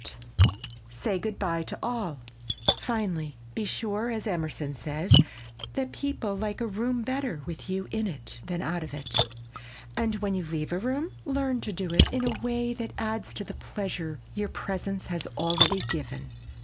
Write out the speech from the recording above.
[Sidenote: SAY GOOD BY TO ALL] Finally, be sure, as Emerson says, "that people like a room better with you in it than out of it," and when you leave the room, learn to do it in a way that adds to the pleasure your presence has already given.